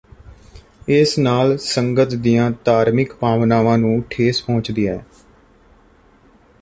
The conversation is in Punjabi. ਇਸ ਨਾਲ ਸੰਗਤ ਦੀਆਂ ਧਾਰਮਿਕ ਭਾਵਨਾਵਾਂ ਨੂੰ ਠੇਸ ਪਹੁੰਚਦੀ ਹੈ